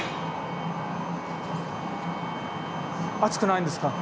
熱くないんですか？